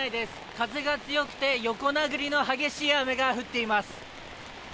風が強くて横殴りの激しい雨が降っています。